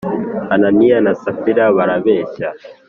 ananiya na safira barabeshya